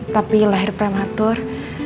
tapi lahir prematur